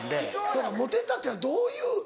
そうかモテたっていうのはどういう？